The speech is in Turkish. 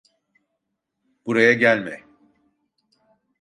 Buraya gelme.